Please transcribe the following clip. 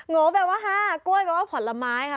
โงแปลว่า๕กล้วยแปลว่าผลไม้ค่ะ